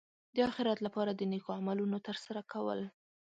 د اخرت لپاره د نېکو عملونو ترسره کول.